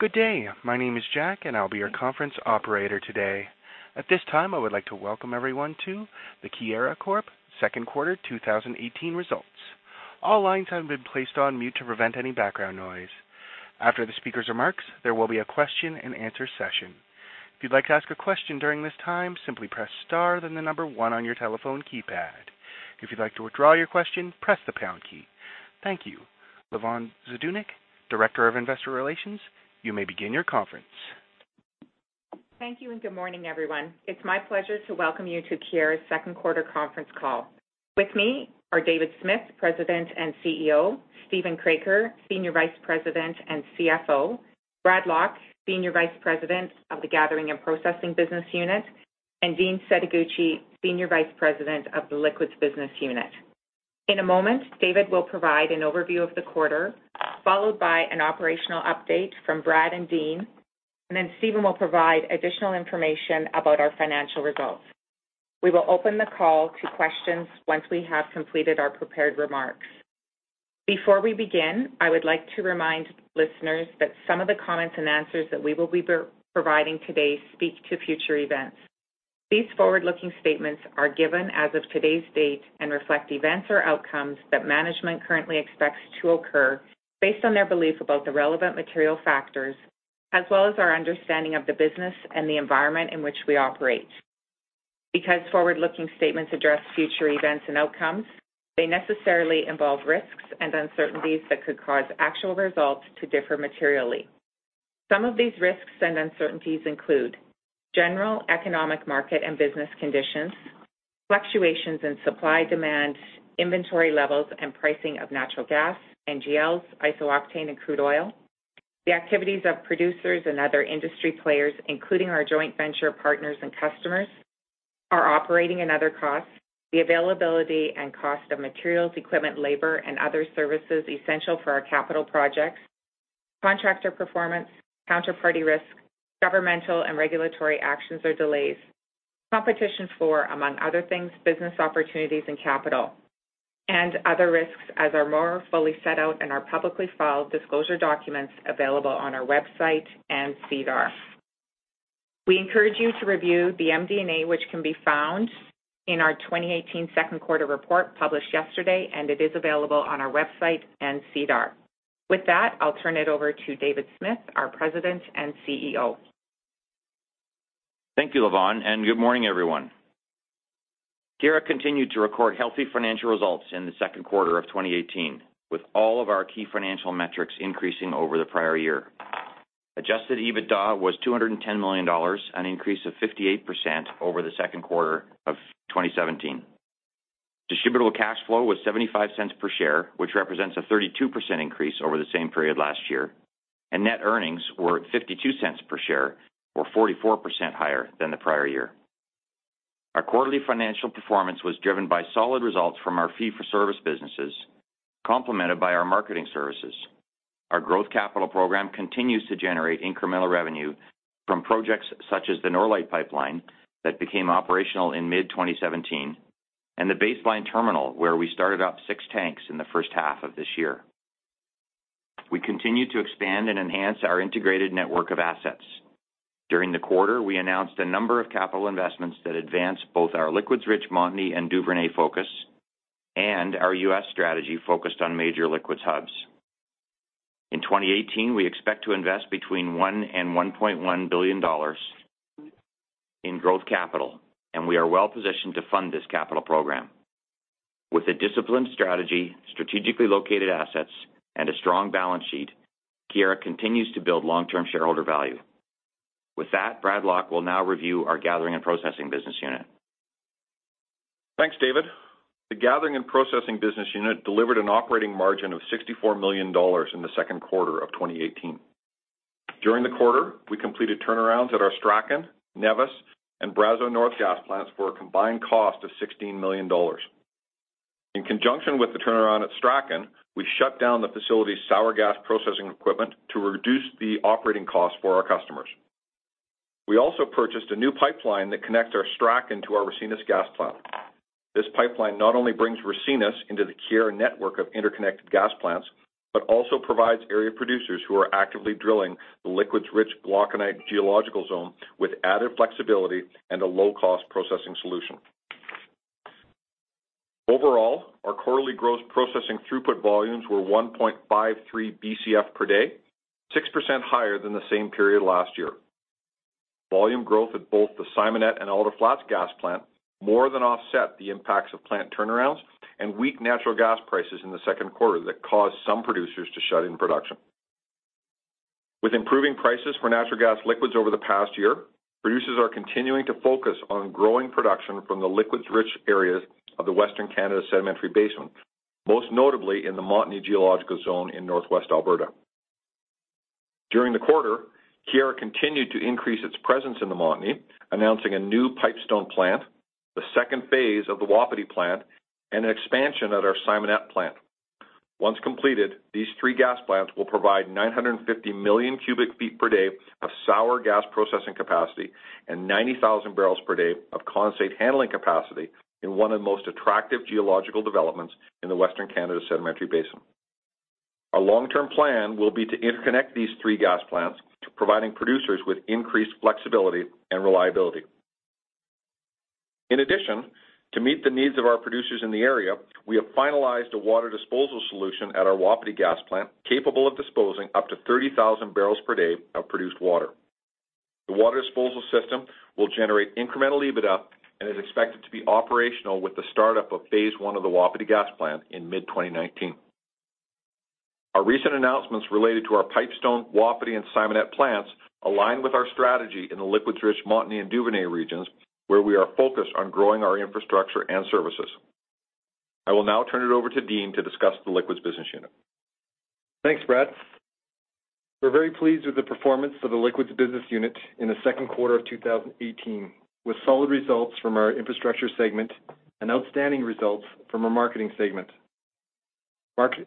Good day. My name is Jack, and I'll be your conference operator today. At this time, I would like to welcome everyone to the Keyera Corp second quarter 2018 results. All lines have been placed on mute to prevent any background noise. After the speaker's remarks, there will be a question and answer session. If you'd like to ask a question during this time, simply press star, then the number 1 on your telephone keypad. If you'd like to withdraw your question, press the pound key. Thank you. Lavonne Zdunich, Director of Investor Relations, you may begin your conference. Thank you, and good morning, everyone. It's my pleasure to welcome you to Keyera's second quarter conference call. With me are David Smith, President and CEO; Steven Kroeker, Senior Vice President and CFO; Bradley Lock, Senior Vice President of the Gathering and Processing Business Unit; and Dean Setoguchi, Senior Vice President of the Liquids Business Unit. In a moment, David will provide an overview of the quarter, followed by an operational update from Brad and Dean, and then Steven will provide additional information about our financial results. We will open the call to questions once we have completed our prepared remarks. Before we begin, I would like to remind listeners that some of the comments and answers that we will be providing today speak to future events. These forward-looking statements are given as of today's date and reflect events or outcomes that management currently expects to occur based on their belief about the relevant material factors, as well as our understanding of the business and the environment in which we operate. Because forward-looking statements address future events and outcomes, they necessarily involve risks and uncertainties that could cause actual results to differ materially. Some of these risks and uncertainties include general economic market and business conditions, fluctuations in supply, demand, inventory levels, and pricing of natural gas, NGLs, iso-octane, and crude oil, the activities of producers and other industry players, including our joint venture partners and customers, our operating and other costs, the availability and cost of materials, equipment, labor, and other services essential for our capital projects, contractor performance, counterparty risk, governmental and regulatory actions or delays, competition for, among other things, business opportunities and capital, and other risks as are more fully set out in our publicly filed disclosure documents available on our website and SEDAR. We encourage you to review the MD&A which can be found in our 2018 second quarter report published yesterday, and it is available on our website and SEDAR. With that, I'll turn it over to David Smith, our President and CEO. Thank you, Lavonne, and good morning, everyone. Keyera continued to record healthy financial results in the second quarter of 2018, with all of our key financial metrics increasing over the prior year. Adjusted EBITDA was 210 million dollars, an increase of 58% over the second quarter of 2017. Distributable Cash Flow was 0.75 per share, which represents a 32% increase over the same period last year, and net earnings were at 0.52 per share, or 44% higher than the prior year. Our quarterly financial performance was driven by solid results from our fee-for-service businesses, complemented by our marketing services. Our growth capital program continues to generate incremental revenue from projects such as the Norlite Pipeline that became operational in mid-2017 and the Base Line Terminal, where we started up six tanks in the first half of this year. We continue to expand and enhance our integrated network of assets. During the quarter, we announced a number of capital investments that advanced both our liquids-rich Montney and Duvernay focus and our U.S. strategy focused on major liquids hubs. In 2018, we expect to invest between 1 billion and 1.1 billion dollars in growth capital, and we are well-positioned to fund this capital program. With a disciplined strategy, strategically located assets, and a strong balance sheet, Keyera continues to build long-term shareholder value. With that, Brad Lock will now review our Gathering and Processing Business Unit. Thanks, David. The Gathering and Processing Business Unit delivered an operating margin of 64 million dollars in the second quarter of 2018. During the quarter, we completed turnarounds at our Strachan, Nevis, and Brazeau North gas plants for a combined cost of 16 million dollars. In conjunction with the turnaround at Strachan, we shut down the facility's sour gas processing equipment to reduce the operating cost for our customers. We also purchased a new pipeline that connects our Strachan to our Ricinus gas plant. This pipeline not only brings Ricinus into the Keyera network of interconnected gas plants but also provides area producers who are actively drilling the liquids-rich glauconite geological zone with added flexibility and a low-cost processing solution. Overall, our quarterly gross processing throughput volumes were 1.53 Bcf per day, 6% higher than the same period last year. Volume growth at both the Simonette and Alder Flats gas plant more than offset the impacts of plant turnarounds and weak natural gas prices in the second quarter that caused some producers to shut in production. With improving prices for natural gas liquids over the past year, producers are continuing to focus on growing production from the liquids-rich areas of the Western Canada Sedimentary Basin, most notably in the Montney geological zone in Northwest Alberta. During the quarter, Keyera continued to increase its presence in the Montney, announcing a new Pipestone plant, the phase 2 of the Wapiti plant, and an expansion at our Simonette plant. Once completed, these three gas plants will provide 950 million cubic feet per day Sour gas processing capacity and 90,000 barrels per day of condensate handling capacity in one of the most attractive geological developments in the Western Canada Sedimentary Basin. Our long-term plan will be to interconnect these three gas plants, providing producers with increased flexibility and reliability. In addition, to meet the needs of our producers in the area, we have finalized a water disposal solution at our Wapiti Gas Plant, capable of disposing up to 30,000 barrels per day of produced water. The water disposal system will generate incremental EBITDA and is expected to be operational with the startup of phase 1 of the Wapiti Gas Plant in mid-2019. Our recent announcements related to our Pipestone, Wapiti and Simonette plants align with our strategy in the liquids-rich Montney and Duvernay regions, where we are focused on growing our infrastructure and services. I will now turn it over to Dean to discuss the Liquids Business Unit. Thanks, Brad. We're very pleased with the performance of the Liquids Business Unit in the second quarter of 2018, with solid results from our infrastructure segment and outstanding results from our marketing segment.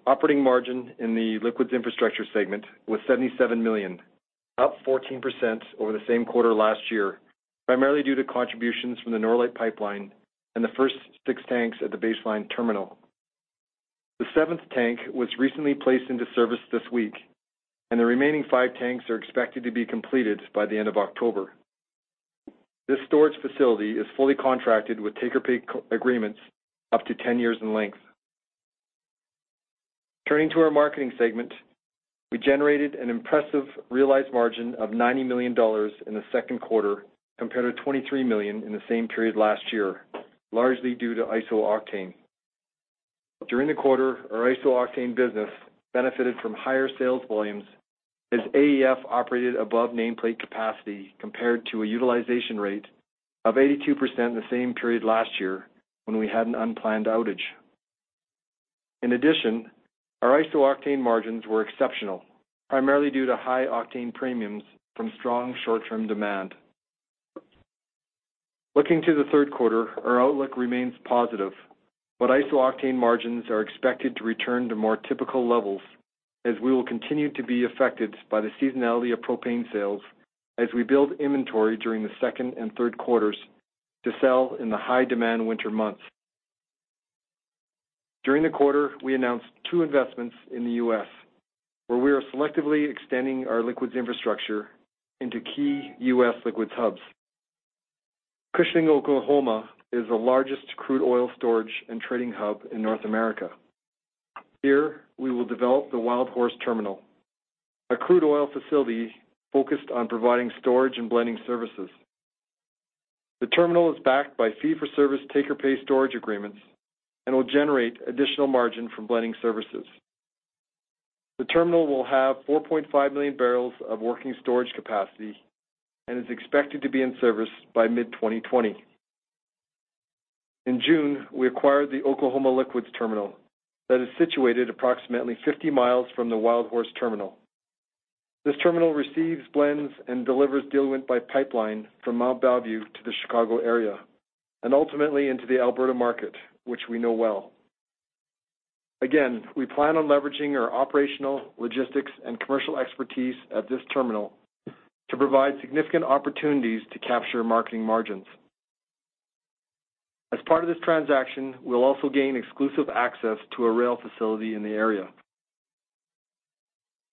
Operating margin in the liquids infrastructure segment was 77 million, up 14% over the same quarter last year, primarily due to contributions from the Norlite Pipeline and the first 6 tanks at the Base Line Terminal. The 7th tank was recently placed into service this week, and the remaining 5 tanks are expected to be completed by the end of October. This storage facility is fully contracted with take-or-pay agreements up to 10 years in length. Turning to our marketing segment, we generated an impressive realized margin of 90 million dollars in the second quarter compared to 23 million in the same period last year, largely due to iso-octane. During the quarter, our iso-octane business benefited from higher sales volumes as AEF operated above nameplate capacity compared to a utilization rate of 82% in the same period last year when we had an unplanned outage. In addition, our iso-octane margins were exceptional, primarily due to high octane premiums from strong short-term demand. Looking to the third quarter, our outlook remains positive, but iso-octane margins are expected to return to more typical levels as we will continue to be affected by the seasonality of propane sales as we build inventory during the second and third quarters to sell in the high-demand winter months. During the quarter, we announced 2 investments in the U.S., where we are selectively extending our liquids infrastructure into key U.S. liquids hubs. Cushing, Oklahoma is the largest crude oil storage and trading hub in North America. Here, we will develop the Wildhorse Terminal, a crude oil facility focused on providing storage and blending services. The terminal is backed by fee-for-service take-or-pay storage agreements and will generate additional margin from blending services. The terminal will have 4.5 million barrels of working storage capacity and is expected to be in service by mid-2020. In June, we acquired the Oklahoma Liquids Terminal that is situated approximately 50 miles from the Wildhorse Terminal. This terminal receives blends and delivers diluent by pipeline from Mont Belvieu to the Chicago area, and ultimately into the Alberta market, which we know well. We plan on leveraging our operational, logistics, and commercial expertise at this terminal to provide significant opportunities to capture marketing margins. As part of this transaction, we'll also gain exclusive access to a rail facility in the area.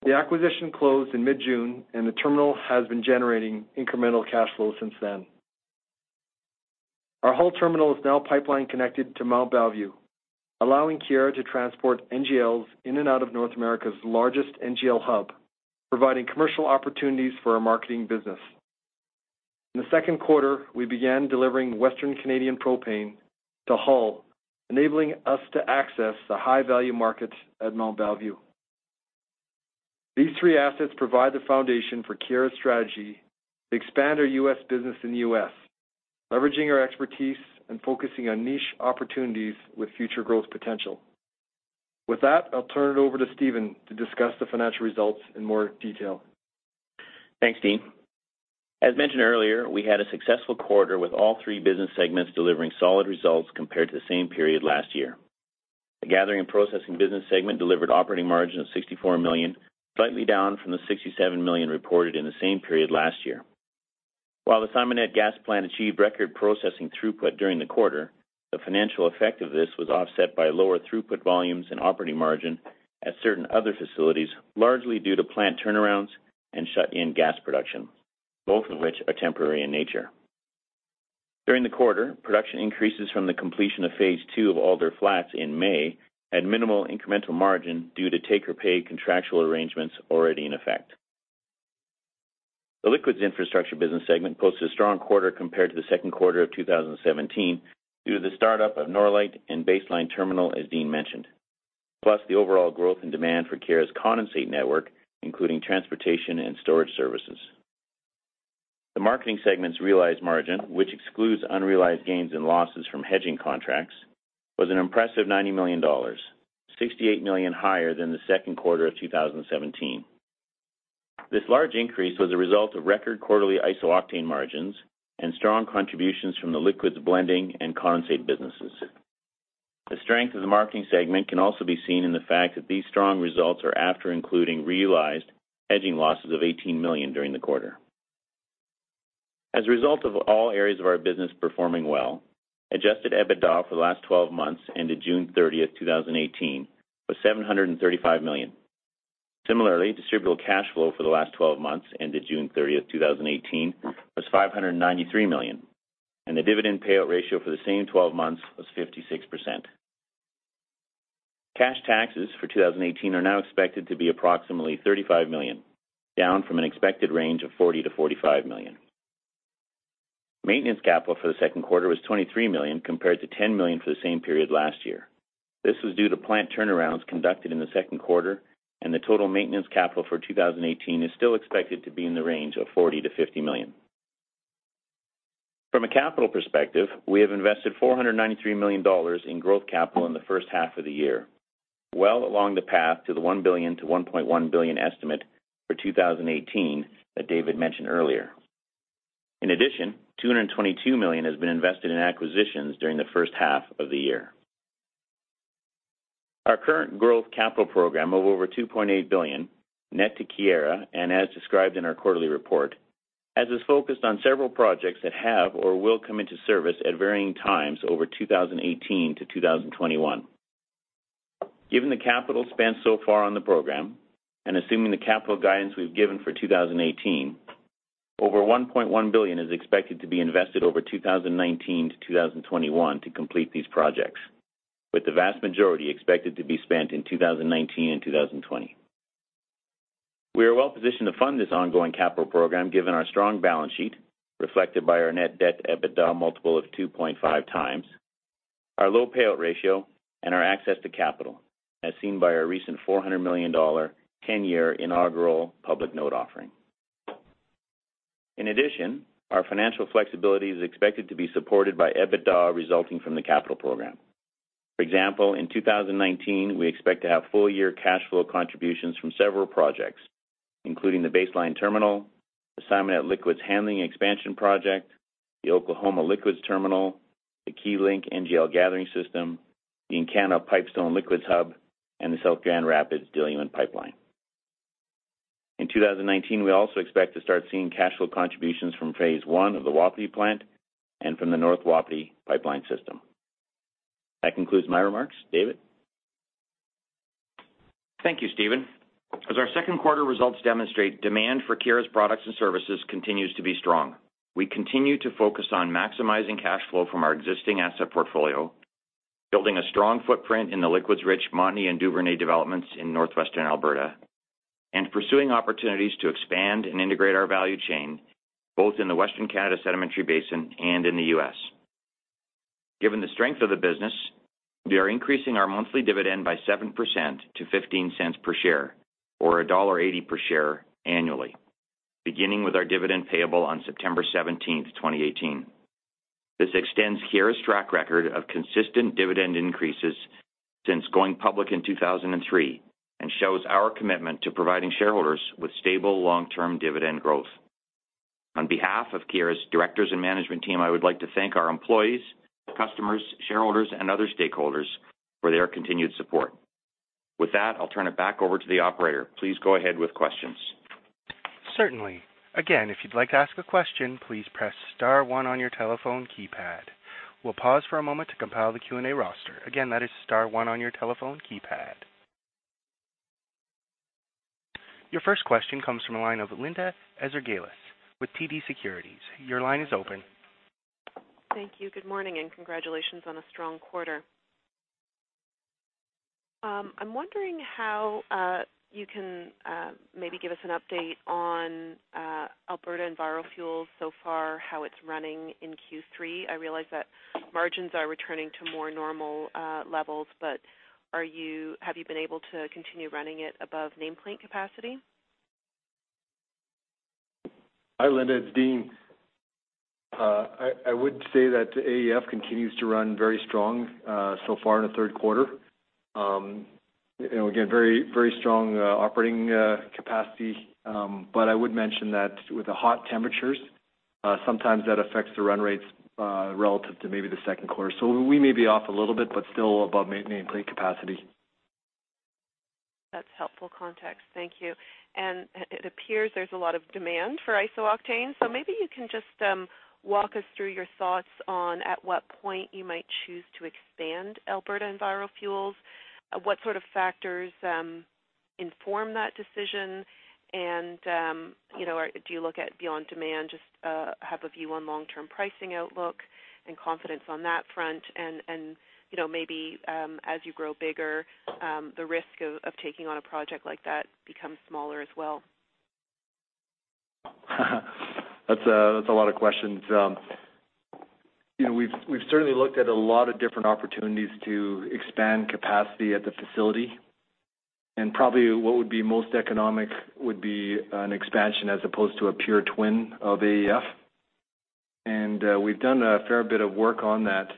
The acquisition closed in mid-June, and the terminal has been generating incremental cash flow since then. Our Hull Terminal is now pipeline-connected to Mont Belvieu, allowing Keyera to transport NGLs in and out of North America's largest NGL hub, providing commercial opportunities for our marketing business. In the second quarter, we began delivering Western Canadian propane to Hull, enabling us to access the high-value market at Mont Belvieu. These three assets provide the foundation for Keyera's strategy to expand our U.S. business in the U.S., leveraging our expertise and focusing on niche opportunities with future growth potential. With that, I'll turn it over to Steven to discuss the financial results in more detail. Thanks, Dean. As mentioned earlier, we had a successful quarter with all three business segments delivering solid results compared to the same period last year. The Gathering and Processing Business Segment delivered operating margin of 64 million, slightly down from the 67 million reported in the same period last year. While the Simonette gas plant achieved record processing throughput during the quarter, the financial effect of this was offset by lower throughput volumes and operating margin at certain other facilities, largely due to plant turnarounds and shut-in gas production, both of which are temporary in nature. During the quarter, production increases from the completion of phase two of Alder Flats in May had minimal incremental margin due to take-or-pay contractual arrangements already in effect. The Liquids Infrastructure Business Segment posted a strong quarter compared to the second quarter of 2017 due to the startup of Norlite and Base Line Terminal, as Dean mentioned, plus the overall growth and demand for Keyera's condensate network, including transportation and storage services. The marketing segment's realized margin, which excludes unrealized gains and losses from hedging contracts, was an impressive 90 million dollars, 68 million higher than the second quarter of 2017. This large increase was a result of record quarterly iso-octane margins and strong contributions from the liquids blending and condensate businesses. The strength of the marketing segment can also be seen in the fact that these strong results are after including realized hedging losses of 18 million during the quarter. As a result of all areas of our business performing well, Adjusted EBITDA for the last 12 months ended June 30th, 2018, was 735 million. Similarly, Distributable Cash Flow for the last 12 months ended June 30, 2018, was 593 million, and the dividend payout ratio for the same 12 months was 56%. Cash taxes for 2018 are now expected to be approximately 35 million, down from an expected range of 40 million-45 million. Maintenance capital for the second quarter was 23 million, compared to 10 million for the same period last year. This was due to plant turnarounds conducted in the second quarter, and the total maintenance capital for 2018 is still expected to be in the range of 40 million-50 million. From a capital perspective, we have invested 493 million dollars in growth capital in the first half of the year, well along the path to the 1 billion-1.1 billion estimate for 2018 that David mentioned earlier. In addition, 222 million has been invested in acquisitions during the first half of the year. Our current growth capital program of over 2.8 billion, net to Keyera, and as described in our quarterly report, is focused on several projects that have or will come into service at varying times over 2018 to 2021. Given the capital spent so far on the program, and assuming the capital guidance we've given for 2018, over CAD 1.1 billion is expected to be invested over 2019 to 2021 to complete these projects, with the vast majority expected to be spent in 2019 and 2020. We are well-positioned to fund this ongoing capital program given our strong balance sheet, reflected by our net debt-to-EBITDA multiple of 2.5 times, our low payout ratio, and our access to capital, as seen by our recent 400 million dollar 10-year inaugural public note offering. In addition, our financial flexibility is expected to be supported by EBITDA resulting from the capital program. For example, in 2019, we expect to have full-year cash flow contributions from several projects, including the Base Line Terminal, the Simonette Liquids Handling Expansion Project, the Oklahoma Liquids Terminal, the Keylink NGL gathering system, the Encana Pipestone Liquids Hub, and the South Grand Rapids Diluent Pipeline. In 2019, we also expect to start seeing cash flow contributions from phase 1 of the Wapiti plant and from the North Wapiti pipeline system. That concludes my remarks. David? Thank you, Steven. As our second quarter results demonstrate, demand for Keyera's products and services continues to be strong. We continue to focus on maximizing cash flow from our existing asset portfolio, building a strong footprint in the liquids-rich Montney and Duvernay developments in northwestern Alberta, and pursuing opportunities to expand and integrate our value chain, both in the Western Canada Sedimentary Basin and in the U.S. Given the strength of the business, we are increasing our monthly dividend by 7% to 0.15 per share or dollar 1.80 per share annually, beginning with our dividend payable on September 17, 2018. This extends Keyera's track record of consistent dividend increases since going public in 2003 and shows our commitment to providing shareholders with stable, long-term dividend growth. On behalf of Keyera's directors and management team, I would like to thank our employees, customers, shareholders, and other stakeholders for their continued support. With that, I'll turn it back over to the operator. Please go ahead with questions. Certainly. Again, if you'd like to ask a question, please press *1 on your telephone keypad. We'll pause for a moment to compile the Q&A roster. Again, that is *1 on your telephone keypad. Your first question comes from the line of Linda Ezergailis with TD Securities. Your line is open. Thank you. Good morning, and congratulations on a strong quarter. I'm wondering how you can maybe give us an update on Alberta EnviroFuels so far, how it's running in Q3. I realize that margins are returning to more normal levels. Have you been able to continue running it above nameplate capacity? Hi, Linda. It's Dean. I would say that AEF continues to run very strong so far in the third quarter. Again, very strong operating capacity. I would mention that with the hot temperatures, sometimes that affects the run rates relative to maybe the second quarter. We may be off a little bit, but still above nameplate capacity. That's helpful context. Thank you. It appears there's a lot of demand for iso-octane. Maybe you can just walk us through your thoughts on at what point you might choose to expand Alberta EnviroFuels. What sort of factors inform that decision? Do you look at beyond demand, just have a view on long-term pricing outlook and confidence on that front and maybe as you grow bigger, the risk of taking on a project like that becomes smaller as well? That's a lot of questions. We've certainly looked at a lot of different opportunities to expand capacity at the facility, probably what would be most economic would be an expansion as opposed to a pure twin of AEF. We've done a fair bit of work on that.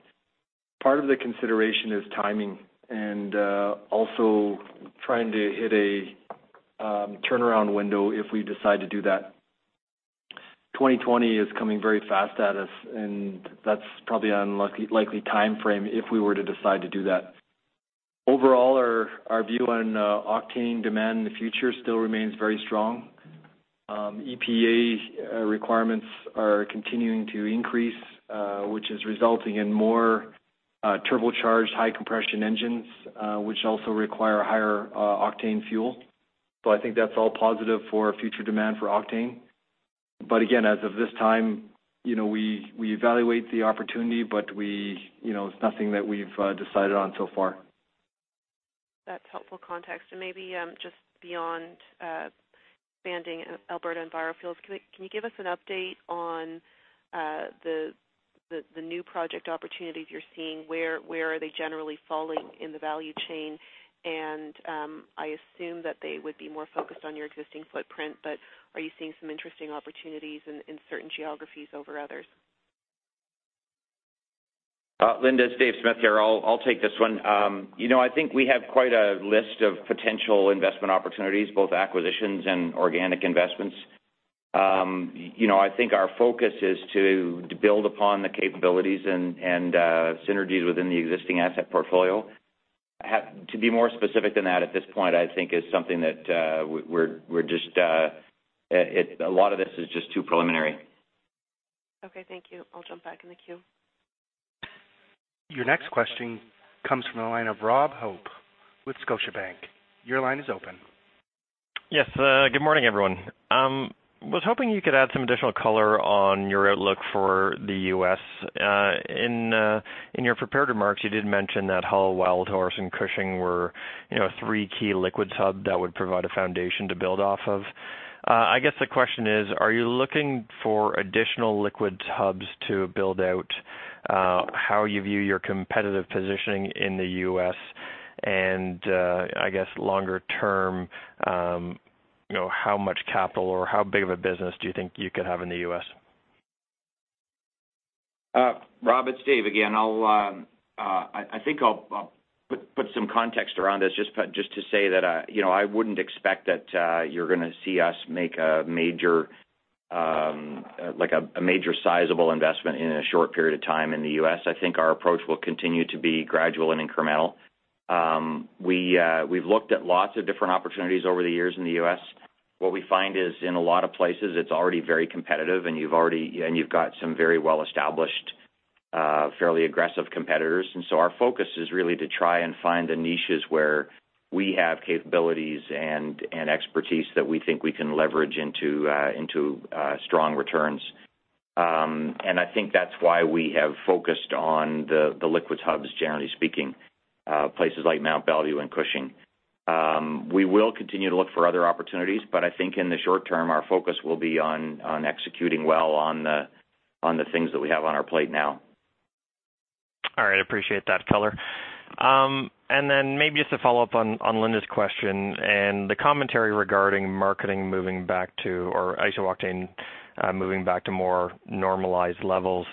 Part of the consideration is timing and also trying to hit a turnaround window if we decide to do that. 2020 is coming very fast at us, that's probably a likely timeframe if we were to decide to do that. Overall, our view on octane demand in the future still remains very strong. EPA requirements are continuing to increase, which is resulting in more turbocharged high compression engines, which also require higher octane fuel. I think that's all positive for future demand for octane. Again, as of this time, we evaluate the opportunity, but it's nothing that we've decided on so far. That's helpful context. Maybe just beyond expanding Alberta EnviroFuels, can you give us an update on the new project opportunities you're seeing? Where are they generally falling in the value chain? I assume that they would be more focused on your existing footprint, but are you seeing some interesting opportunities in certain geographies over others? Linda, it's David Smith here. I'll take this one. I think we have quite a list of potential investment opportunities, both acquisitions and organic investments. I think our focus is to build upon the capabilities and synergies within the existing asset portfolio. To be more specific than that at this point, I think is something that a lot of this is just too preliminary. Okay. Thank you. I'll jump back in the queue. Your next question comes from the line of Robert Hope with Scotiabank. Your line is open. Yes. Good morning, everyone. Was hoping you could add some additional color on your outlook for the U.S. In your prepared remarks, you did mention that Hull, Wildhorse, and Cushing were three key liquids hub that would provide a foundation to build off of. I guess the question is, are you looking for additional liquids hubs to build out how you view your competitive positioning in the U.S.? I guess, longer term, how much capital or how big of a business do you think you could have in the U.S.? Rob, it's Dave again. I think I'll put some context around this just to say that I wouldn't expect that you're going to see us make a major sizable investment in a short period of time in the U.S. I think our approach will continue to be gradual and incremental. We've looked at lots of different opportunities over the years in the U.S. What we find is in a lot of places, it's already very competitive, and you've got some very well-established, fairly aggressive competitors. So our focus is really to try and find the niches where we have capabilities and expertise that we think we can leverage into strong returns. I think that's why we have focused on the liquids hubs, generally speaking, places like Mont Belvieu and Cushing. We will continue to look for other opportunities, I think in the short term, our focus will be on executing well on the things that we have on our plate now. All right. Appreciate that color. Maybe just to follow up on Linda's question and the commentary regarding marketing moving back to, or iso-octane moving back to more normalized levels.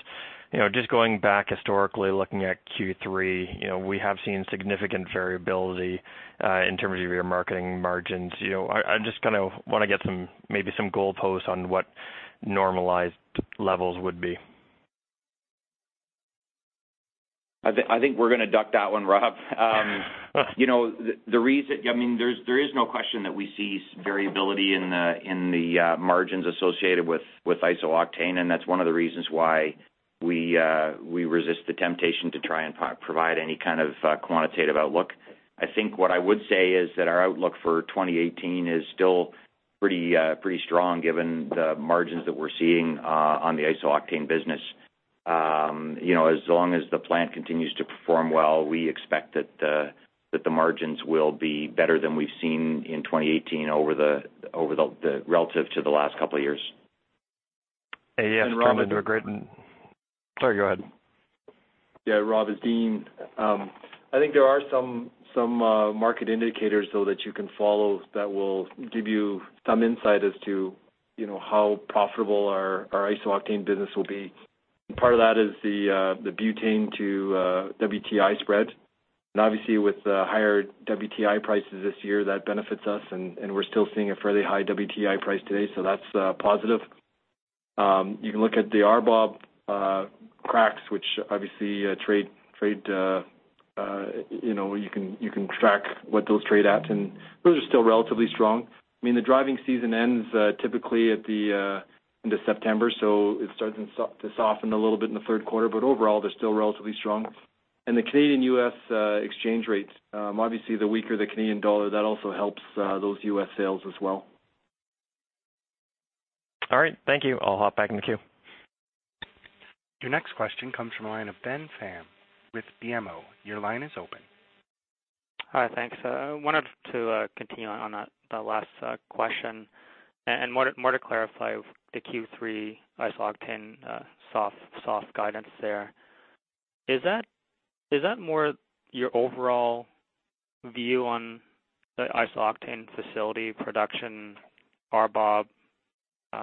Just going back historically looking at Q3, we have seen significant variability in terms of your marketing margins. I just want to get maybe some goalposts on what normalized levels would be. I think we're going to duck that one, Rob. Yeah. There is no question that we see variability in the margins associated with iso-octane. That's one of the reasons why we resist the temptation to try and provide any kind of quantitative outlook. I think what I would say is that our outlook for 2018 is still pretty strong given the margins that we're seeing on the iso-octane business. As long as the plant continues to perform well, we expect that the margins will be better than we've seen in 2018 relative to the last couple of years. Rob- Dean-- Sorry, go ahead. Rob, it's Dean. I think there are some market indicators, though, that you can follow that will give you some insight as to how profitable our iso-octane business will be. Part of that is the butane to WTI spread. Obviously, with higher WTI prices this year, that benefits us, and we're still seeing a fairly high WTI price today, so that's positive. You can look at the RBOB cracks, which obviously you can track what those trade at, and those are still relatively strong. The driving season ends typically end of September, so it starts to soften a little bit in the third quarter, but overall, they're still relatively strong. The Canadian/U.S. exchange rates. Obviously, the weaker the Canadian dollar, that also helps those U.S. sales as well. All right. Thank you. I'll hop back in the queue. Your next question comes from the line of Ben Pham with BMO. Your line is open. Hi. Thanks. I wanted to continue on that last question and more to clarify the Q3 iso-octane soft guidance there. Is that more your overall view on the iso-octane facility production, RBOB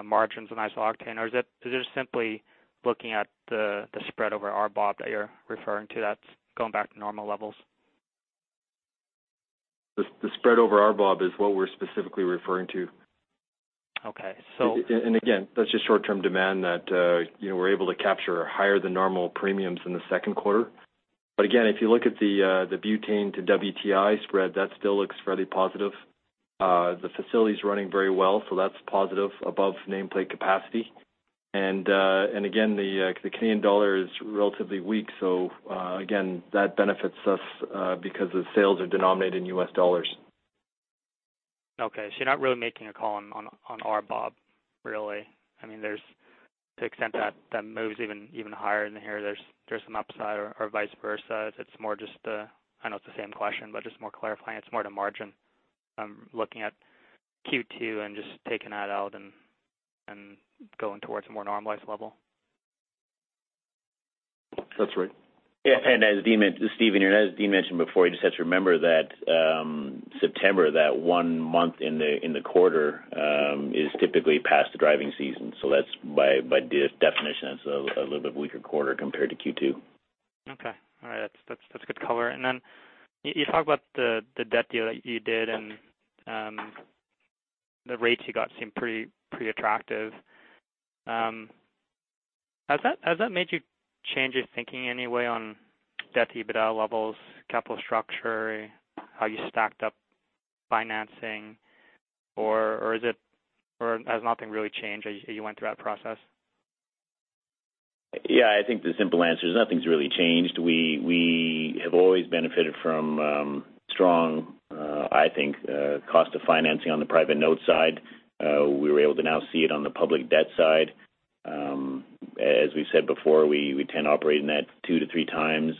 margins on iso-octane, or is it just simply looking at the spread over RBOB that you're referring to that's going back to normal levels? The spread over RBOB is what we're specifically referring to. Okay. Again, that's just short-term demand that we're able to capture higher than normal premiums in the second quarter. Again, if you look at the butane to WTI spread, that still looks fairly positive. The facility's running very well, so that's positive, above nameplate capacity. Again, the Canadian dollar is relatively weak, so again, that benefits us because the sales are denominated in U.S. dollars. Okay. You're not really making a call on RBOB, really. To the extent that moves even higher than here, there's some upside or vice versa. I know it's the same question, but just more clarifying, it's more the margin. Looking at Q2 and just taking that out and going towards a more normalized level. That's right. Yeah. This is Steven here. As Dean mentioned before, you just have to remember that September, that one month in the quarter is typically past the driving season. By definition, that is a little bit weaker quarter compared to Q2. Okay. All right. That is good cover. You talk about the debt deal that you did and the rates you got seem pretty attractive. Has that made you change your thinking in any way on debt EBITDA levels, capital structure, how you stacked up financing? Has nothing really changed as you went through that process? Yeah, I think the simple answer is nothing is really changed. We have always benefited from strong, I think, cost of financing on the private note side. We were able to now see it on the public debt side. As we have said before, we tend to operate in that two to three times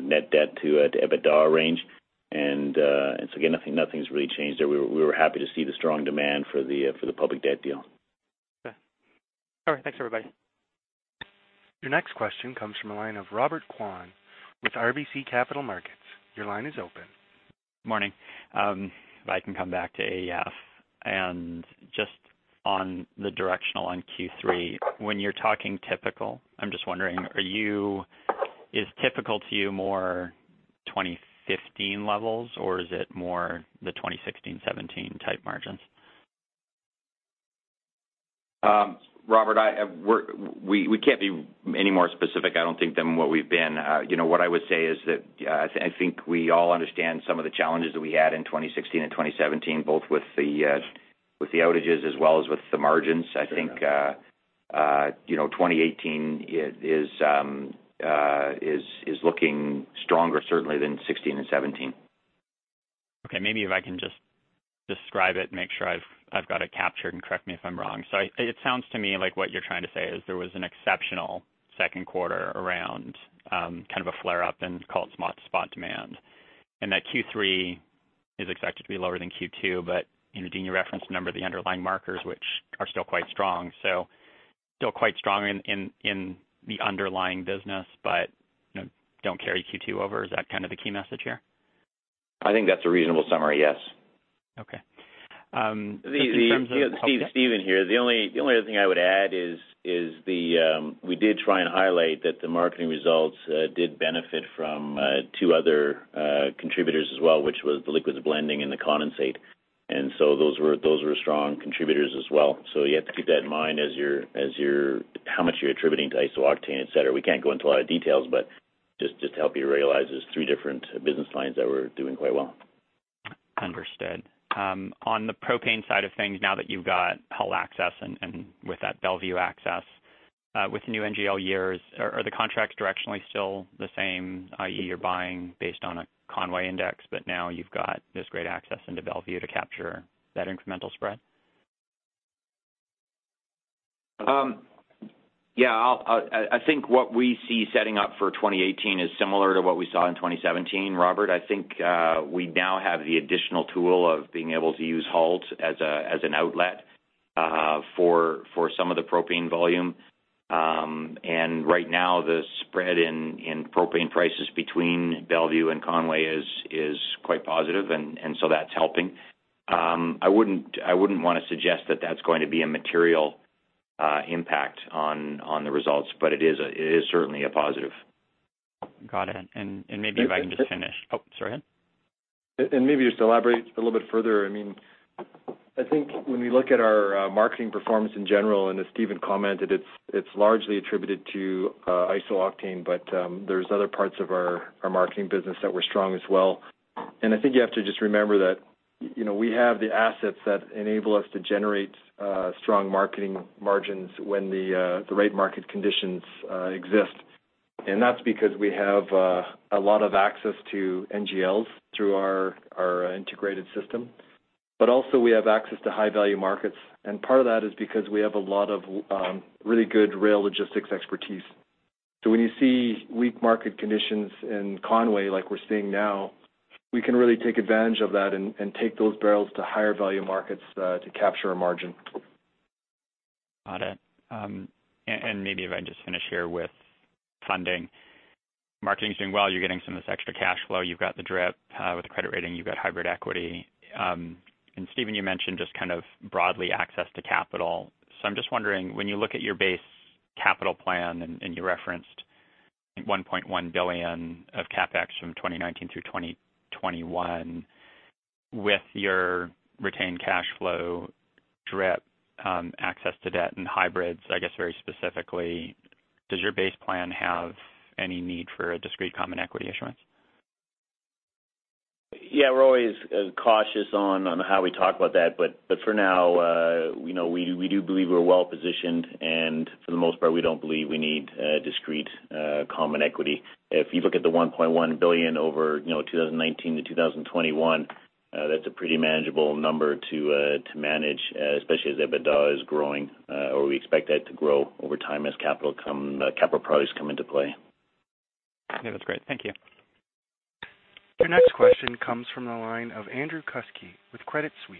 net debt-to-EBITDA range. Again, nothing is really changed there. We were happy to see the strong demand for the public debt deal. Okay. All right. Thanks, everybody. Your next question comes from the line of Robert Kwan with RBC Capital Markets. Your line is open. Morning. If I can come back to AEF and just on the directional on Q3. When you're talking typical, I'm just wondering, is typical to you more 2015 levels or is it more the 2016, 2017 type margins? Robert, we can't be any more specific, I don't think, than what we've been. What I would say is that I think we all understand some of the challenges that we had in 2016 and 2017, both with the outages as well as with the margins. I think 2018 is looking stronger certainly than 2016 and 2017. Okay. Maybe if I can just describe it and make sure I've got it captured, and correct me if I'm wrong. It sounds to me like what you're trying to say is there was an exceptional second quarter around kind of a flare up in coal spot demand, and that Q3 is expected to be lower than Q2. Dean, you referenced a number of the underlying markers which are still quite strong. Still quite strong in the underlying business but don't carry Q2 over. Is that kind of the key message here? I think that's a reasonable summary, yes. Okay. Just in terms of- Steven here. The only other thing I would add is we did try and highlight that the marketing results did benefit from two other contributors as well, which was the liquids blending and the condensate. Those were strong contributors as well. You have to keep that in mind as how much you're attributing to iso-octane, et cetera. We can't go into a lot of details, but just to help you realize there's three different business lines that were doing quite well. Understood. On the propane side of things, now that you've got Hull access and with that Belvieu access, with the new NGL years, are the contracts directionally still the same, i.e., you're buying based on a Conway index, but now you've got this great access into Belvieu to capture that incremental spread? Yeah. I think what we see setting up for 2018 is similar to what we saw in 2017, Robert. I think we now have the additional tool of being able to use Hull as an outlet for some of the propane volume. Right now, the spread in propane prices between Belvieu and Conway is quite positive, so that's helping. I wouldn't want to suggest that that's going to be a material impact on the results, but it is certainly a positive. Got it. Maybe if I can just finish-- Oh, sorry. Maybe just to elaborate a little bit further. I think when we look at our marketing performance in general, and as Steven commented, it's largely attributed to iso-octane, but there's other parts of our marketing business that were strong as well. I think you have to just remember that we have the assets that enable us to generate strong marketing margins when the right market conditions exist. That's because we have a lot of access to NGLs through our integrated system. Also we have access to high-value markets, and part of that is because we have a lot of really good rail logistics expertise. When you see weak market conditions in Conway like we're seeing now, we can really take advantage of that and take those barrels to higher value markets to capture a margin. Got it. Maybe if I just finish here with funding. Marketing's doing well. You're getting some of this extra cash flow. You've got the DRIP with the credit rating. You've got hybrid equity. Steven, you mentioned just kind of broadly access to capital. I'm just wondering, when you look at your base capital plan. You referenced, I think, 1.1 billion of CapEx from 2019 through 2021. With your retained cash flow DRIP, access to debt and hybrids, I guess very specifically, does your base plan have any need for a discrete common equity issuance? Yeah. We're always cautious on how we talk about that, for now, we do believe we're well-positioned, and for the most part, we don't believe we need discrete common equity. If you look at the 1.1 billion over 2019 to 2021, that's a pretty manageable number to manage, especially as EBITDA is growing, or we expect that to grow over time as capital projects come into play. Yeah. That's great. Thank you. Your next question comes from the line of Andrew Kuske with Credit Suisse.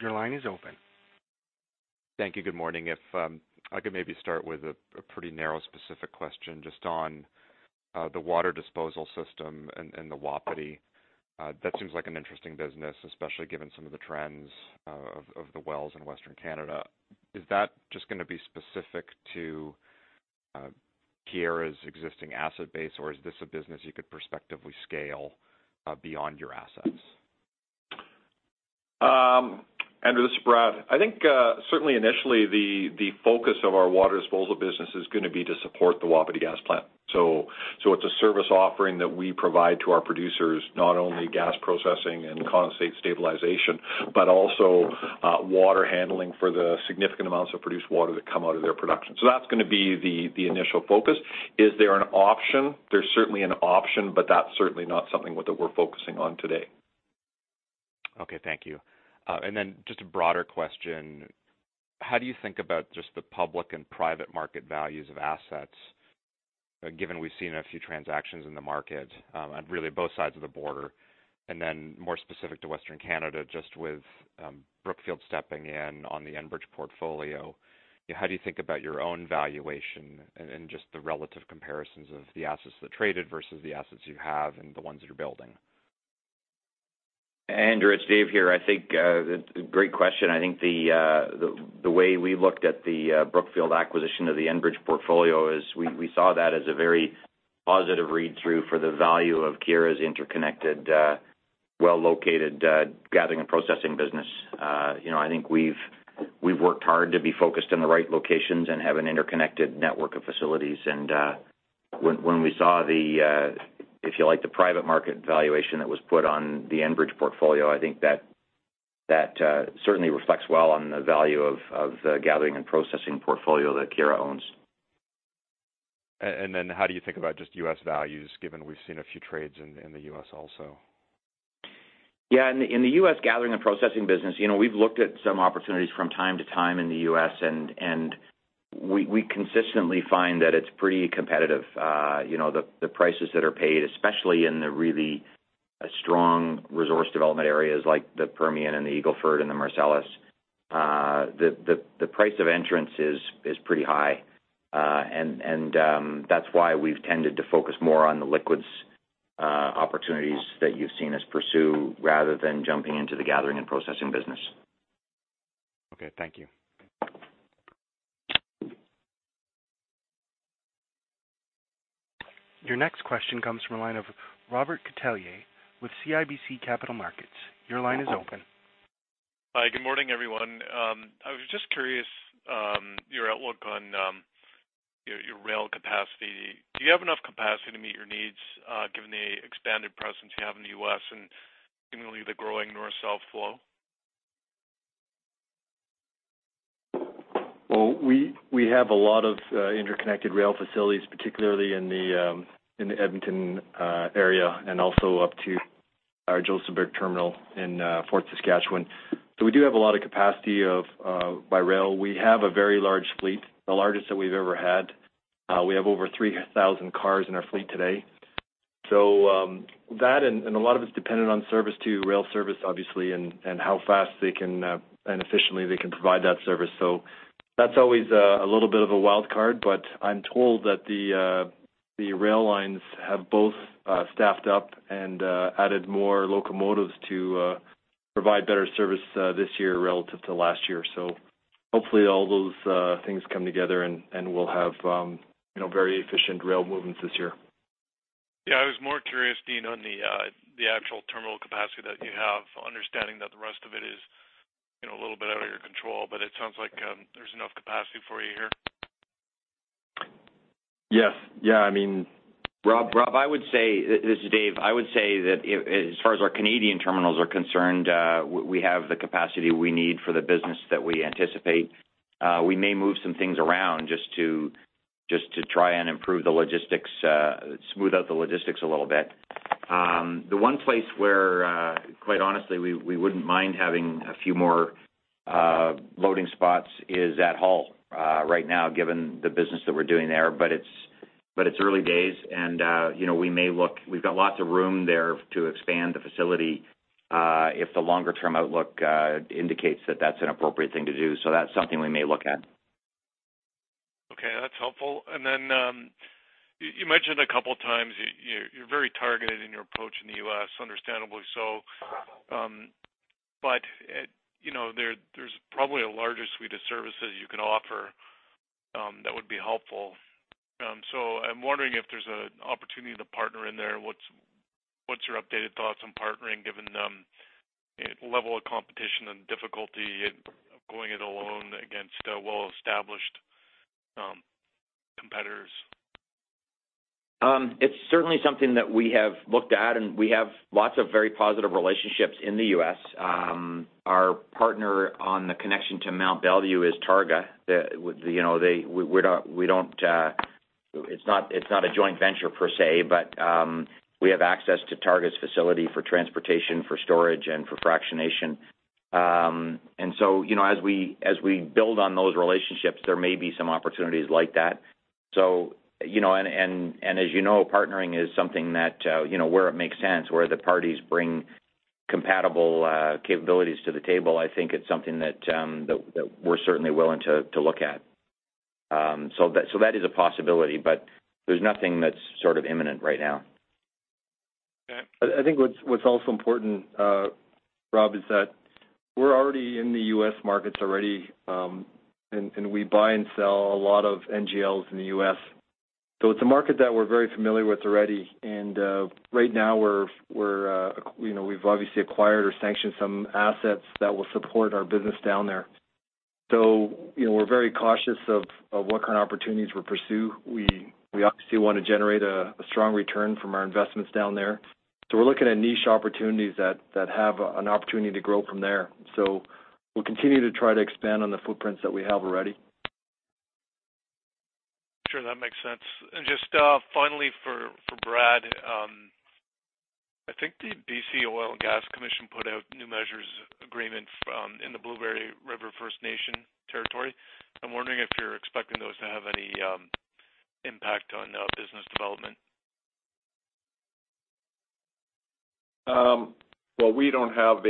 Your line is open. Thank you. Good morning. If I could maybe start with a pretty narrow, specific question just on the water disposal system and the Wapiti. That seems like an interesting business, especially given some of the trends of the wells in Western Canada. Is that just going to be specific to Keyera's existing asset base, or is this a business you could prospectively scale beyond your assets? Andrew, this is Brad. I think, certainly initially, the focus of our water disposal business is going to be to support the Wapiti Gas Plant. It's a service offering that we provide to our producers, not only gas processing and condensate stabilization, but also water handling for the significant amounts of produced water that come out of their production. That's going to be the initial focus. Is there an option? There's certainly an option, but that's certainly not something that we're focusing on today. Okay. Thank you. Just a broader question. How do you think about just the public and private market values of assets, given we've seen a few transactions in the market on really both sides of the border? More specific to Western Canada, just with Brookfield stepping in on the Enbridge portfolio, how do you think about your own valuation and just the relative comparisons of the assets that traded versus the assets you have and the ones that you're building? Andrew, it's Dave here. Great question. I think the way we looked at the Brookfield acquisition of the Enbridge portfolio is we saw that as a very positive read-through for the value of Keyera's interconnected, well-located gathering and processing business. I think we've worked hard to be focused in the right locations and have an interconnected network of facilities. When we saw the, if you like, the private market valuation that was put on the Enbridge portfolio, I think that certainly reflects well on the value of the gathering and processing portfolio that Keyera owns. How do you think about just U.S. values, given we've seen a few trades in the U.S. also? Yeah. In the U.S. gathering and processing business, we've looked at some opportunities from time to time in the U.S. We consistently find that it's pretty competitive. The prices that are paid, especially in the really strong resource development areas like the Permian and the Eagle Ford and the Marcellus, the price of entrance is pretty high. That's why we've tended to focus more on the liquids opportunities that you've seen us pursue rather than jumping into the gathering and processing business. Okay. Thank you. Your next question comes from the line of Robert Catellier with CIBC Capital Markets. Your line is open. Hi. Good morning, everyone. I was just curious, your outlook on your rail capacity. Do you have enough capacity to meet your needs, given the expanded presence you have in the U.S. and seemingly the growing north-south flow? Well, we have a lot of interconnected rail facilities, particularly in the Edmonton area and also up to our Josephburg terminal in Fort Saskatchewan. We do have a lot of capacity by rail. We have a very large fleet, the largest that we've ever had. We have over 3,000 cars in our fleet today. That and a lot of it's dependent on service too, rail service, obviously, and how fast and efficiently they can provide that service. That's always a little bit of a wild card, but I'm told that the rail lines have both staffed up and added more locomotives to provide better service this year relative to last year. Hopefully all those things come together and we'll have very efficient rail movements this year. Yeah, I was more curious, Dean, on the actual terminal capacity that you have, understanding that the rest of it is a little bit out of your control, but it sounds like there's enough capacity for you here. Yes. Rob, this is Dave. I would say that as far as our Canadian terminals are concerned, we have the capacity we need for the business that we anticipate. We may move some things around just to try and improve the logistics, smooth out the logistics a little bit. The one place where, quite honestly, we wouldn't mind having a few more loading spots is at Hull right now, given the business that we're doing there, but it's early days and we've got lots of room there to expand the facility if the longer-term outlook indicates that that's an appropriate thing to do. That's something we may look at. Okay. That's helpful. You mentioned a couple of times you're very targeted in your approach in the U.S., understandably so. There's probably a larger suite of services you can offer that would be helpful. I'm wondering if there's an opportunity to partner in there. What's your updated thoughts on partnering, given the level of competition and difficulty of going it alone against well-established competitors? It's certainly something that we have looked at. We have lots of very positive relationships in the U.S. Our partner on the connection to Mont Belvieu is Targa. It's not a joint venture per se. We have access to Targa's facility for transportation, for storage, and for fractionation. As we build on those relationships, there may be some opportunities like that. As you know, partnering is something that where it makes sense, where the parties bring compatible capabilities to the table, I think it's something that we're certainly willing to look at. That is a possibility, but there's nothing that's sort of imminent right now. Okay. I think what's also important, Rob, is that we're already in the U.S. markets already. We buy and sell a lot of NGLs in the U.S. It's a market that we're very familiar with already. Right now we've obviously acquired or sanctioned some assets that will support our business down there. We're very cautious of what kind of opportunities we'll pursue. We obviously want to generate a strong return from our investments down there. We're looking at niche opportunities that have an opportunity to grow from there. We'll continue to try to expand on the footprints that we have already. Sure. That makes sense. Just finally for Brad, I think the BC Oil and Gas Commission put out new measures agreement in the Blueberry River First Nations territory. I'm wondering if you're expecting those to have any impact on business development. Well, we don't have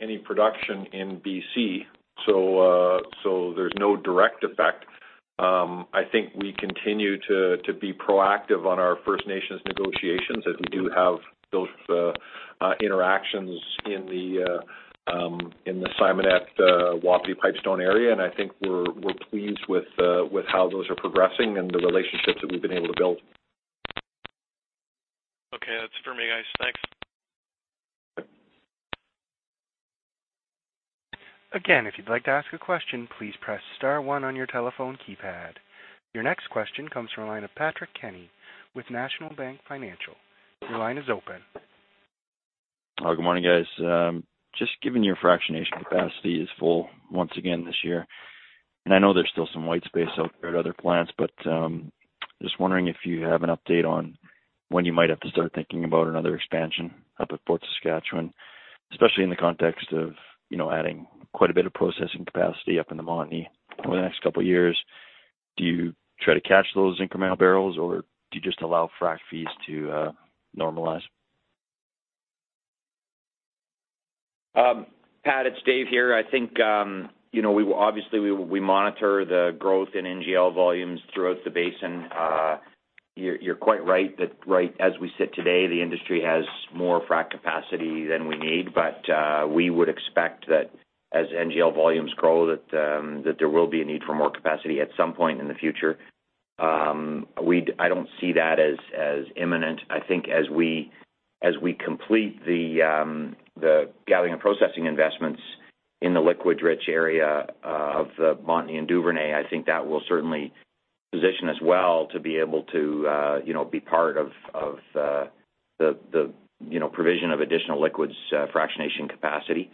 any production in B.C. There's no direct effect. I think we continue to be proactive on our First Nations negotiations as we do have those interactions in the Simonette Wapiti Pipestone area. I think we're pleased with how those are progressing and the relationships that we've been able to build. Okay. That's it for me, guys. Thanks. Again, if you'd like to ask a question, please press *1 on your telephone keypad. Your next question comes from the line of Patrick Kenny with National Bank Financial. Your line is open. Hello, good morning, guys. Just given your fractionation capacity is full once again this year. I know there's still some white space out there at other plants. Just wondering if you have an update on when you might have to start thinking about another expansion up at Fort Saskatchewan, especially in the context of adding quite a bit of processing capacity up in the Montney over the next couple of years. Do you try to catch those incremental barrels, or do you just allow frack fees to normalize? Pat, it's Dave here. I think, obviously we monitor the growth in NGL volumes throughout the basin. You're quite right that right as we sit today, the industry has more frac capacity than we need. We would expect that as NGL volumes grow, there will be a need for more capacity at some point in the future. I don't see that as imminent. I think as we complete the gathering and processing investments in the liquids-rich area of the Montney and Duvernay, that will certainly position us well to be able to be part of the provision of additional liquids fractionation capacity.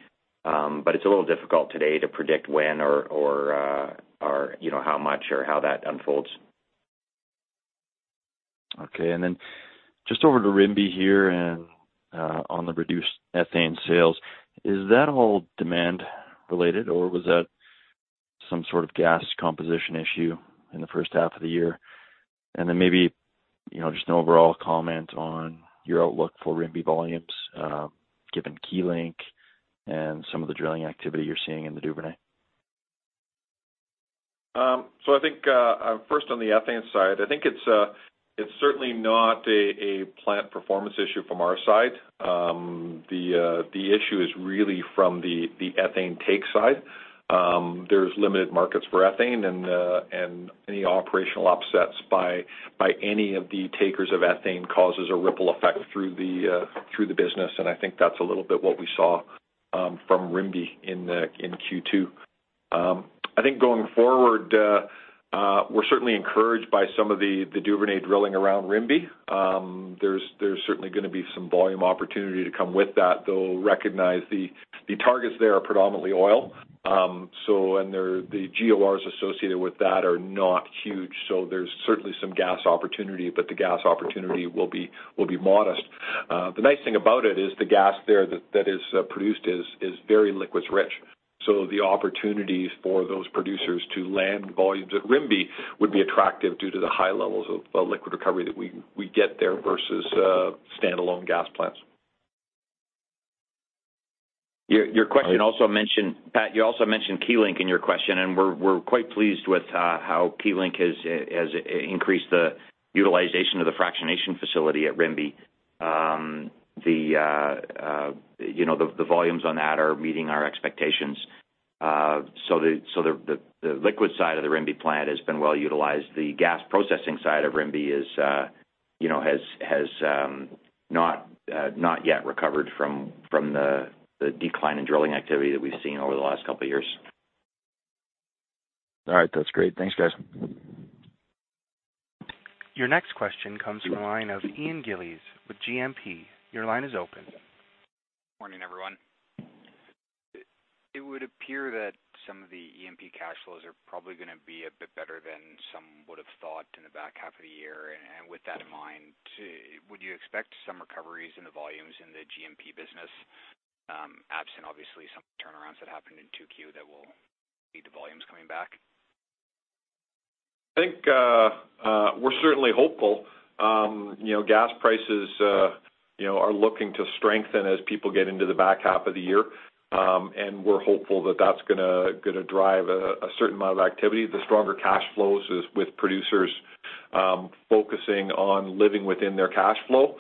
It's a little difficult today to predict when or how much or how that unfolds. Okay. Just over to Rimbey here and on the reduced ethane sales. Is that all demand related, or was that some sort of gas composition issue in the first half of the year? Maybe, just an overall comment on your outlook for Rimbey volumes, given Keylink and some of the drilling activity you're seeing in the Duvernay. I think, first on the ethane side, I think it's certainly not a plant performance issue from our side. The issue is really from the ethane take side. There's limited markets for ethane and any operational upsets by any of the takers of ethane causes a ripple effect through the business, and I think that's a little bit what we saw from Rimbey in Q2. I think going forward, we're certainly encouraged by some of the Duvernay drilling around Rimbey. There's certainly going to be some volume opportunity to come with that, though recognize the targets there are predominantly oil. The GORs associated with that are not huge, so there's certainly some gas opportunity, but the gas opportunity will be modest. The nice thing about it is the gas there that is produced is very liquids rich. The opportunities for those producers to land volumes at Rimbey would be attractive due to the high levels of liquid recovery that we get there versus standalone gas plants. Your question also mentioned, Pat, you also mentioned Keylink in your question. We're quite pleased with how Keylink has increased the utilization of the fractionation facility at Rimbey. The volumes on that are meeting our expectations. The liquid side of the Rimbey plant has been well-utilized. The gas processing side of Rimbey has not yet recovered from the decline in drilling activity that we've seen over the last couple of years. All right. That's great. Thanks, guys. Your next question comes from the line of Ian Gillies with GMP. Your line is open. Morning, everyone. It would appear that some of the E&P cash flows are probably going to be a bit better than some would have thought in the back half of the year. With that in mind, would you expect some recoveries in the volumes in the G&P business, absent obviously some turnarounds that happened in 2Q that will see the volumes coming back? I think we're certainly hopeful. Gas prices are looking to strengthen as people get into the back half of the year. We're hopeful that that's going to drive a certain amount of activity. The stronger cash flows is with producers focusing on living within their cash flow.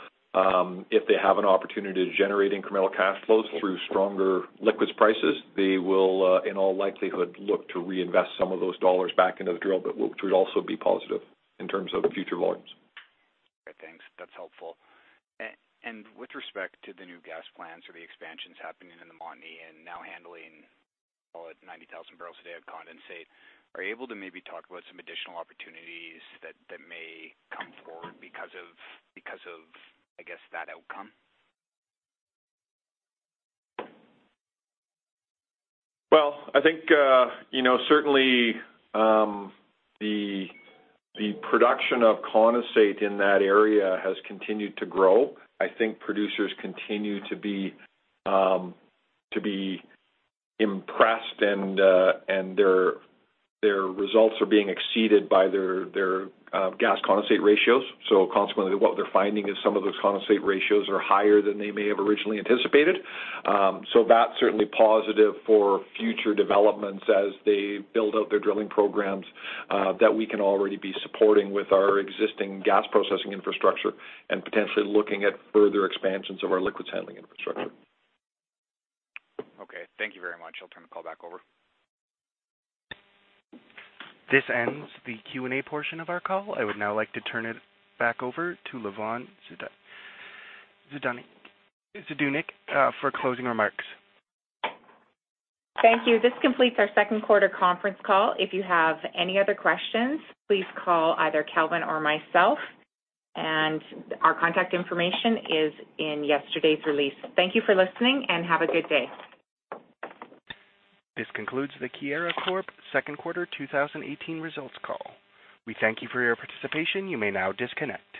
If they have an opportunity to generate incremental cash flows through stronger liquids prices, they will, in all likelihood, look to reinvest some of those dollars back into the drill bit, which would also be positive in terms of future volumes. Great. Thanks. That's helpful. With respect to the new gas plants or the expansions happening in the Montney and now handling, call it, 90,000 barrels a day of condensate, are you able to maybe talk about some additional opportunities that may come forward because of, I guess, that outcome? Well, I think certainly, the production of condensate in that area has continued to grow. I think producers continue to be impressed, and their results are being exceeded by their gas condensate ratios. Consequently, what they're finding is some of those condensate ratios are higher than they may have originally anticipated. That's certainly positive for future developments as they build out their drilling programs that we can already be supporting with our existing gas processing infrastructure and potentially looking at further expansions of our liquids handling infrastructure. Okay. Thank you very much. I'll turn the call back over. This ends the Q&A portion of our call. I would now like to turn it back over to Lavonne Zdunich for closing remarks. Thank you. This completes our second quarter conference call. If you have any other questions, please call either Calvin or myself. Our contact information is in yesterday's release. Thank you for listening, and have a good day. This concludes the Keyera Corp second quarter 2018 results call. We thank you for your participation. You may now disconnect.